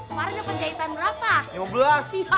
kemarin lo penjahitan berapa